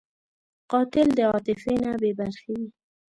قاتل د عاطفې نه بېبرخې وي